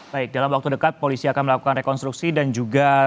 baik dalam waktu dekat polisi akan melakukan rekonstruksi dan juga